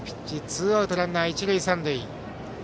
ツーアウトランナー、一塁三塁。